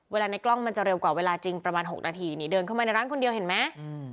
ในกล้องมันจะเร็วกว่าเวลาจริงประมาณ๖นาทีนี่เดินเข้ามาในร้านคนเดียวเห็นไหม